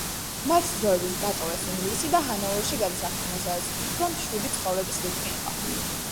მათ დროებით დატოვეს ინგლისი და ჰანოვერში გადასახლდნენ, სადაც უფრო მშვიდი ცხოვრების რიტმი იყო.